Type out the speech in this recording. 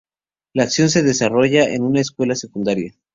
La acción se desarrolla en una escuela secundaria.